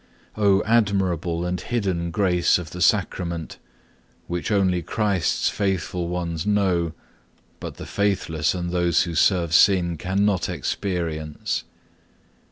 11. Oh admirable and hidden grace of the Sacrament, which only Christ's faithful ones know, but the faithless and those who serve sin cannot experience!